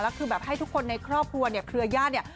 แล้วคือแบบให้ทุกคนในครอบครัวเนี่ยเครือญาติเนี่ย